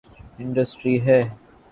Industry ہے۔